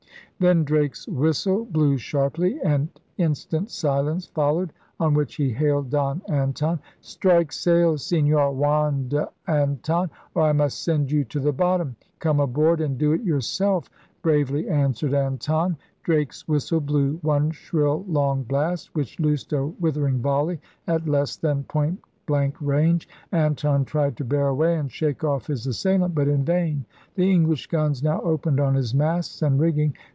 Then Drake's whistle blew sharply and instant silence followed; on which he hailed Don Anton: — Strike sail! Senor Juan de Anton, or I must send you to the bottom! — Come aboard and do it yourself! bravely an swered Anton. Drake's whistle blew one shrill long blast, which loosed a withering volley at less than point blank range. Anton tried to bear away and shake off his assailant. But in vain. The English guns now opened on his masts and rigging.